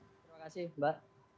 terima kasih mbak